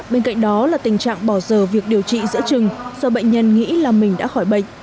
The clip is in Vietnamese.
bên cạnh đó là tình trạng bỏ giờ việc điều trị giữa trừng do bệnh nhân nghĩ là mình đã khỏi bệnh